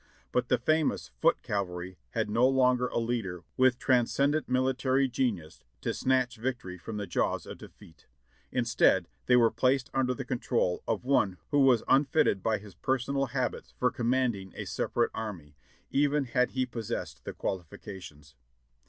But the famous "foot cavalry" had no longer a leader with transcendent military genius to snatch victory from the jaws of defeat : instead, they were placed under the control of one who was unfitted by his personal habits for commanding a separate army, even had he possessed the qualifications.